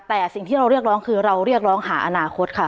แต่สิ่งที่เราเรียกร้องคือเราเรียกร้องหาอนาคตค่ะ